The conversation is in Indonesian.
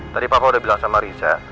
tadi papa udah bilang sama risa